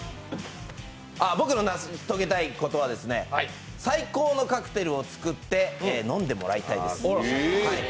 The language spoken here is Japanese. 僕の成し遂げたいことは最高のカクテルを作って飲んでもらいたいです。